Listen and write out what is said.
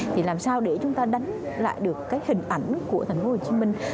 thì làm sao để chúng ta đánh lại được cái hình ảnh của thành phố hồ chí minh